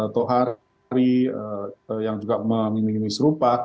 tohari yang juga meminimis rupa